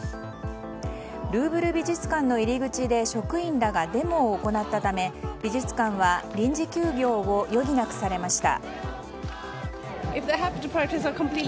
ルーブル美術館の入り口で職員らがデモを行ったため美術館は臨時休業を余儀なくされました。